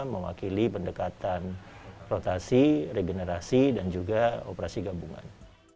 mewakili pendekatan rotasi regenerasi dan juga operasi gabungan